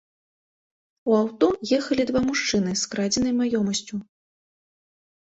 У аўто ехалі два мужчыны з крадзенай маёмасцю.